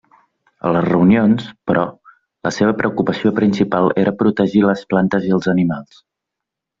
A les reunions, però, la seva preocupació principal era protegir les plantes i els animals.